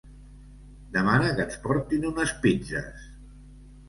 Demana que ens portin unes pizzes.